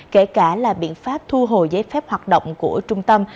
kể cả là biện pháp thu hồi giấy phép hoạt động của trung tâm